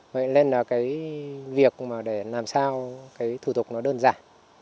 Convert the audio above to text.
vậy nên việc làm sao thủ tục nó đơn giản